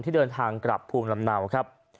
ที่เดินทางกลับภูมิลำเนา